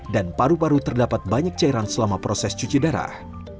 dan paru paru terdapat banyak cairan selama proses cuci darah